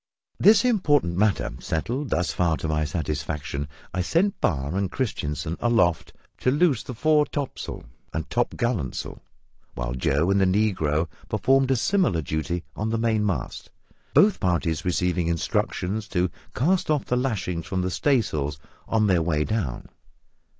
This important matter settled thus far to my satisfaction, I sent Barr and Christianssen aloft to loose the fore topsail and topgallantsail, while Joe and the negro performed a similar duty on the mainmast, both parties receiving instructions to cast off the lashings from the staysails on their way down.